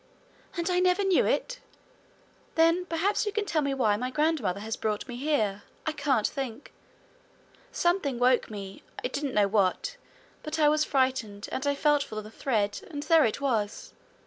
'And I never knew it! Then perhaps you can tell me why my grandmother has brought me here? I can't think. Something woke me I didn't know what, but I was frightened, and I felt for the thread, and there it was!